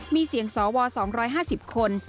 มีเสียงสว๒๕๐คน